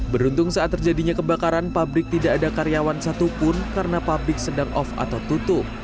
beruntung saat terjadinya kebakaran pabrik tidak ada karyawan satupun karena pabrik sedang off atau tutup